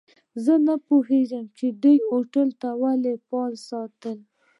زه نه پوهیږم چي دوی هوټل ولي فعال ساتلی.